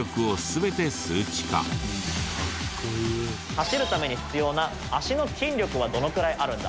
走るために必要な脚の筋力はどのくらいあるんだ。